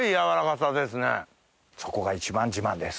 そこが一番自慢です。